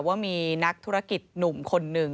ว่ามีนักธุรกิจหนุ่มคนหนึ่ง